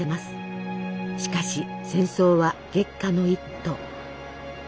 しかし戦争は激化の一途。